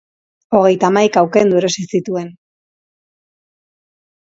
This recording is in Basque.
Hogeita hamaika ukendu erosi zituen.